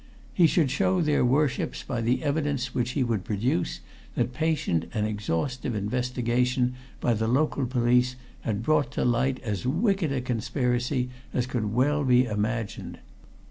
He should show their worships by the evidence which he would produce that patient and exhaustive investigation by the local police had brought to light as wicked a conspiracy as could well be imagined.